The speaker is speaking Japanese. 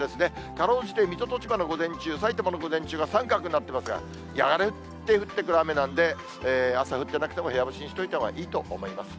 かろうじて水戸と千葉の午前中、さいたまの午前中が三角になってますが、降ってくる雨なので、降ってなくても部屋干しにしておいたほうがいいと思います。